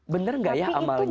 bener gak ya amalnya